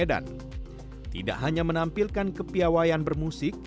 wanda ku melayang